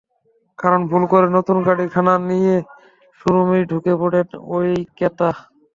কারণ ভুল করে নতুন গাড়িখানা নিয়ে শোরুমেই ঢুকে পড়েন ওই ক্রেতা।